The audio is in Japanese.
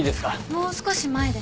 もう少し前で。